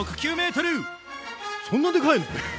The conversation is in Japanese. そんなでかいの？